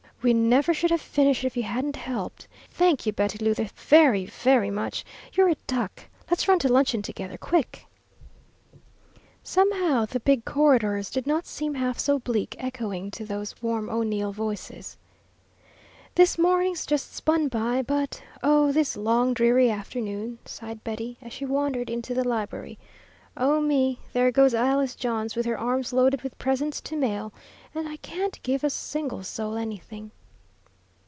"We never should have finished if you hadn't helped! Thank you, Betty Luther, very, VERY much! You're a duck! Let's run to luncheon together, quick." Somehow the big corridors did not seem half so bleak echoing to those warm O'Neill voices. "This morning's just spun by, but, oh, this long, dreary afternoon!" sighed Betty, as she wandered into the library. "Oh, me, there goes Alice Johns with her arms loaded with presents to mail, and I can't give a single soul anything!"